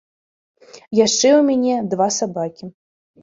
Яшчэ ў мяне два сабакі.